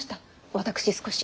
私少し。